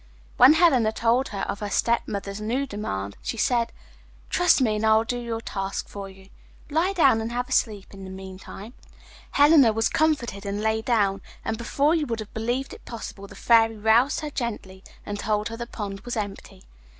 When Helena told her of her stepmother's new demand she said, 'Trust to me and I will do your task for you. Lie down and have a sleep in the meantime.' Helena was comforted and lay down, and before you would have believed it possible the Fairy roused her gently and told her the pond was empty.